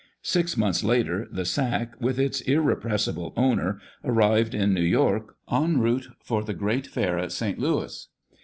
Six months later the sack, with its irrepressible owner, arrived in New York, en route for the great fair at St. Louis.